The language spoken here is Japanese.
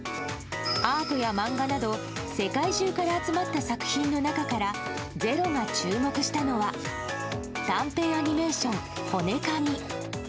アートや漫画など世界中から集まった作品の中から「ｚｅｒｏ」が注目したのは短編アニメーション「骨噛み」。